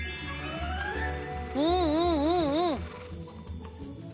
うんうんうんうん！